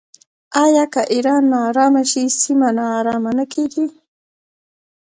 آیا که ایران ناارامه شي سیمه ناارامه نه کیږي؟